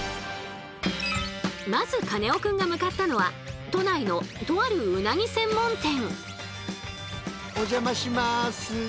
まずカネオくんが向かったのは都内のとあるうなぎ専門店。